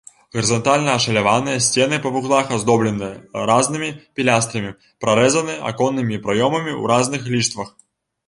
Гарызантальна ашаляваныя сцены па вуглах аздоблены разнымі пілястрамі, прарэзаны аконнымі праёмамі ў разных ліштвах.